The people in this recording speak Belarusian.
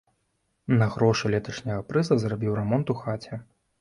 На грошы леташняга прыза зрабіў рамонт у хаце.